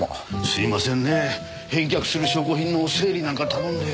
すみませんねぇ返却する証拠品の整理なんか頼んで。